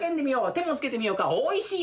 手もつけてみようか「おいしい！」